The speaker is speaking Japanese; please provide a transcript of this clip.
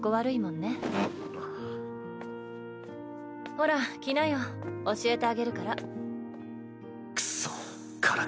ほら来なよ教えてあげるから。